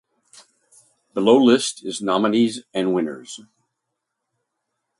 Below list is nominees and winners.